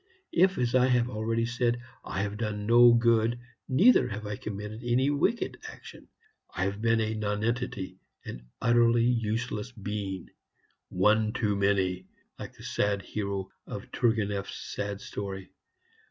If, as I have already said, I have done no good, neither have I committed any wicked action. I have been a nonentity an utterly useless being; 'one too many,' like the sad hero of Tourgueneff's sad story.